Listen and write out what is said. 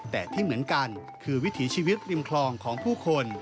แต่ที่เหมือนกันคือวิถีชีวิตริมคลองของผู้คน